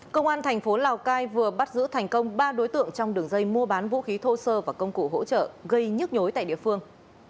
công an thành phố lào cai vừa bắt giữ thành công ba đối tượng trong đường dây mua bán vũ khí thô sơ và công cụ hỗ trợ gây nhức nhối tại địa phương